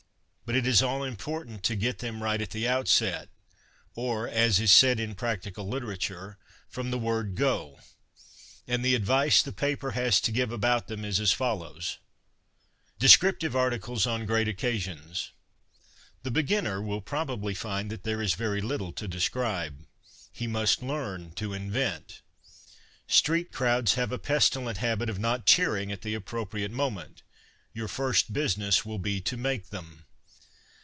But it is all important to get them right at the out set — or, as is said in practical literature, from the 280 PRACTICAL LITERATURE \void " go "— and the advice the paper has to give about them is as follows :— Descriptive Ariicles on Great Occasions. — The beginner will probably find there is very little to describe. He must learn to invent. Street crowds have a pestilent habit of not cheering at the appro priate moment ; your first business will be to make them.